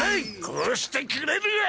こうしてくれるわ！